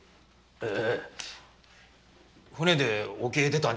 ええ！